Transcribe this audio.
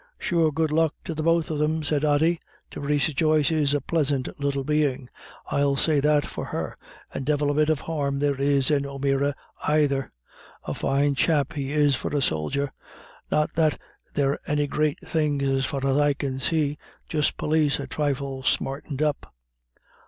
"Sure good luck to the both of thim," said Ody, "Theresa Joyce is a plisant little bein', I'll say that for her, and divil a bit of harm there is in O'Meara aither. A fine chap he is for a sodger; not that they're any great things as far as I can see just pólis a thrifle smartened up."